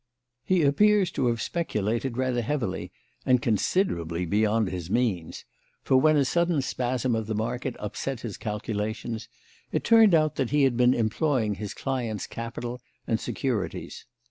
He appears to have speculated rather heavily and considerably beyond his means, for when a sudden spasm of the market upset his calculations, it turned out that he had been employing his clients' capital and securities.